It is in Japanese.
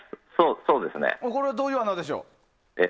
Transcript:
これはどういう穴でしょう？